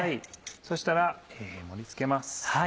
そしたら盛り付けます。